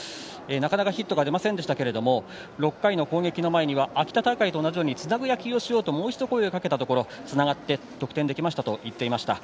なかなかヒットが出ませんでしたけれども６回の攻撃の前には秋田大会と同じようにつなぐ野球をしようともう一度声をかけたところつながって、得点できたと言っていました。